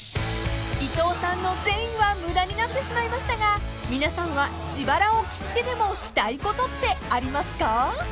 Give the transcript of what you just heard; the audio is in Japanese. ［伊藤さんの善意は無駄になってしまいましたが皆さんは自腹を切ってでもしたいことってありますか？］